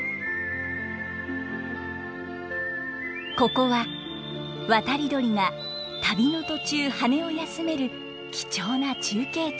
ここは渡り鳥が旅の途中羽を休める貴重な中継地。